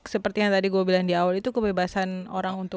seperti yang tadi gue bilang di awal itu kebebasan orang untuk